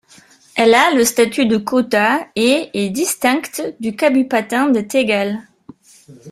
Elle a le statut de kota et est distincte du Kabupaten de Tegal.